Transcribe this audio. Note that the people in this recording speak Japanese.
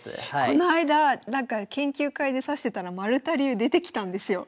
この間なんか研究会で指してたら丸田流出てきたんですよ。